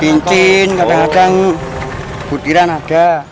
cincin kadang kadang butiran ada